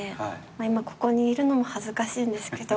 今ここにいるのも恥ずかしいんですけど。